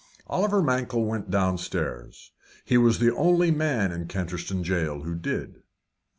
Oliver Mankell went downstairs he was the only man in Canterstone jail who did.